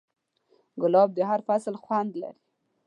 ګلاب د هر فصل خوند لري.